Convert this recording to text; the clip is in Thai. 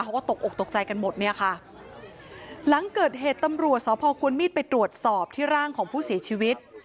เขาก็ตกอกตกใจกันหมดเนี่ยค่ะหลังเกิดเหตุตำรวจสพควรมีดไปตรวจสอบที่ร่างของผู้เสียชีวิต